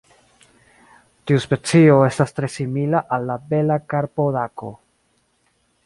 Tiu specio estas tre simila al la Bela karpodako.